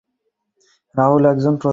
রাহুল একজন প্রতারক!